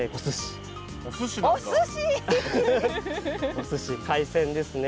おすし海鮮ですね。